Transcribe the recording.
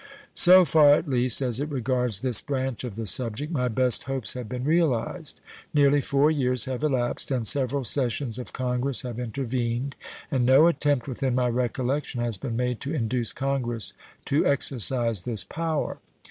So far, at least, as it regards this branch of the subject, my best hopes have been realized. Nearly four years have elapsed, and several sessions of Congress have intervened, and no attempt within my recollection has been made to induce Congress to exercise this power.